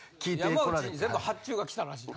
山内に全部発注が来たらしい。